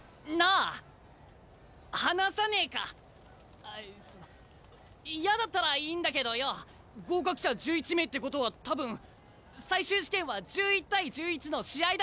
あその嫌だったらいいんだけどよ。合格者１１名ってことは多分最終試験は１１対１１の試合だと思うんだよ。